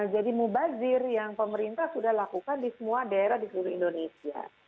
jadi mubazir yang pemerintah sudah lakukan di semua daerah di seluruh indonesia